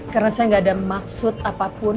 karena saya gak ada maksud apapun